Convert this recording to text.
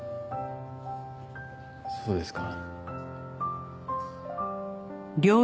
そうですか。